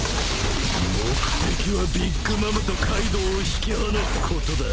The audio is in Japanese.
目的はビッグ・マムとカイドウを引き離すことだ。